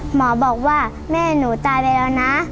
หมอบอกว่าแม่หนูตายไปแล้วนะ